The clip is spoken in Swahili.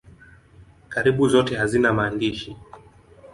Karibu zote hazina maandishi.